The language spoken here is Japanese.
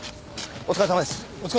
お疲れさまです！